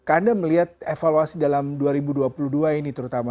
anda melihat evaluasi dalam dua ribu dua puluh dua ini terutama